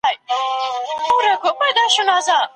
د ونو پاڼې په مني کې په سرو او ژېړو رنګونو اوړي.